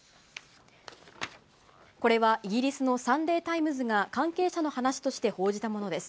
これはイギリスのサンデー・タイムズが関係者の話として報じたものです。